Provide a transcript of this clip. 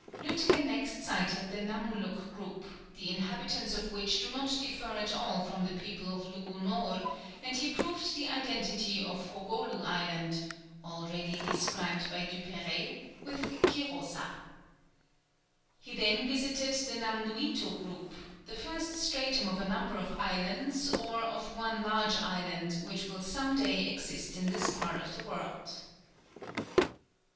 Lütke next sighted the Namuluk group, the inhabitants of which do not differ at all from the people of Lugunor, and he proved the identity of Hogolu Island already described by Duperrey with Quirosa. He then visited the Namnuïto group, the first stratum of a number of islands, or of one large island which will some day exist in this part of the world.